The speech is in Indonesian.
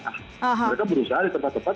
nah mereka berusaha di tempat tempat